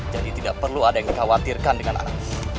tidak perlu ada yang dikhawatirkan dengan anak